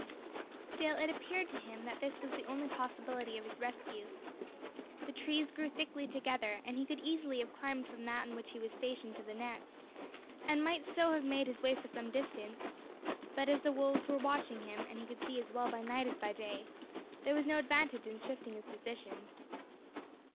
Still, it appeared to him that this was the only possibility of his rescue. The trees grew thickly together, and he could easily have climbed from that in which he was stationed to the next, and might so have made his way for some distance; but as the wolves were watching him, and could see as well by night as by day, there was no advantage in shifting his position.